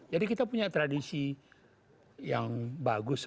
jadi kita punya tradisi yang bagus